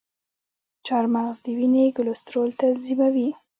چارمغز د وینې کلسترول تنظیموي.